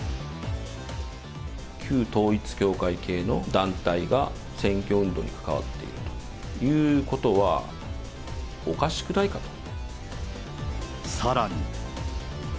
旧統一教会系の団体が、選挙運動に関わっているということは、さらに。